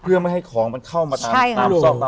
เพื่อไม่ให้ของมันเข้ามาตามซอกเรา